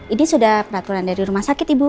ini sudah peraturan dari rumah sakit ibu